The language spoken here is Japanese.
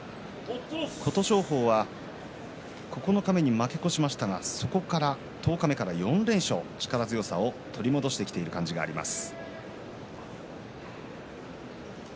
琴勝峰は九日目に負け越しましたがそこから十日目から４連勝力強さを取り戻してきている感じがあります。